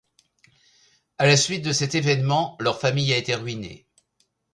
A la suite de cet événement, leur famille a été ruinée.